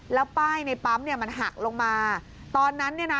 แล้วป้ายในปั๊มเนี่ยมันหักลงมาตอนนั้นเนี่ยนะ